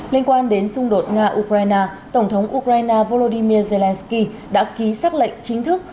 liên quan đến xung đột nga ukraine tổng thống ukraine volodymyr zelensky đã ký xác lệnh chính thức